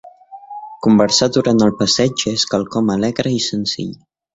Conversar durant el passeig és quelcom alegre i senzill.